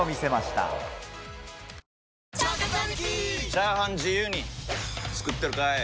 チャーハン自由に作ってるかい！？